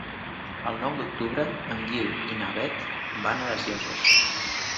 El nou d'octubre en Guiu i na Beth van a les Llosses.